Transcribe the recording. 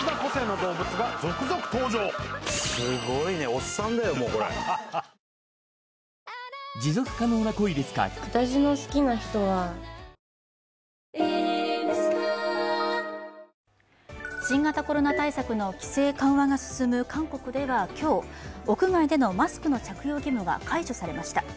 お申し込みは新型コロナ対策の規制緩和が進む韓国では今日、屋外でのマスクの着用義務が解除されました。